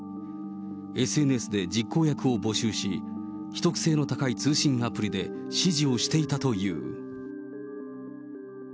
ＳＮＳで実行役を募集し、秘匿性の高い通信アプリで指示をしていたという。